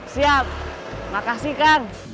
siap makasih kang